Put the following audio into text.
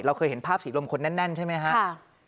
เคยเห็นภาพสีลมคนแน่นใช่ไหมครับ